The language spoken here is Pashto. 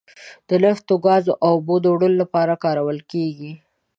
د نفتو، ګازو او اوبو وړلو لپاره کارول کیږي.